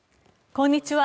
こんにちは。